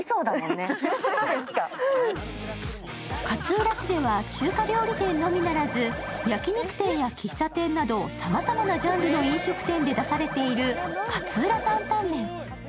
勝浦市では中華料理店のみならず焼き肉店や喫茶店などさまざまなジャンルの飲食店で出されている勝浦タンタンメン。